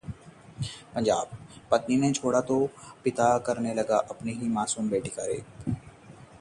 पंजाब: पत्नी ने छोड़ा तो पिता करने लगा अपनी ही मासूम बेटी से रेप